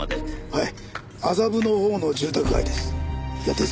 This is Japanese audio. はい。